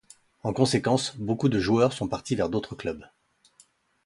En conséquence, beaucoup de joueurs sont partis vers d'autres clubs.